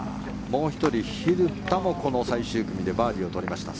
もう１人、蛭田もこの最終組でバーディーを取りました。